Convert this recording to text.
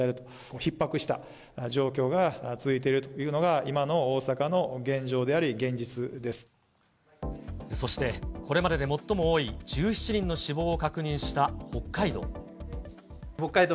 ひっ迫した状況が続いているというのが、今の大阪の現状であり、そして、これまでで最も多い１７人の死亡を確認した北海道。